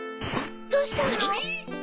どうしたの？